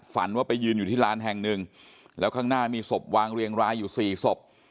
ฝันว่าไปยืนอยู่ที่ลานแห่งหนึ่งแล้วข้างหน้ามีศพวางเรียงรายอยู่สี่ศพ